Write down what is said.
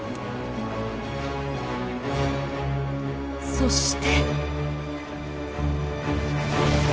そして。